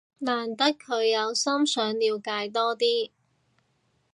難得佢有心想了解多啲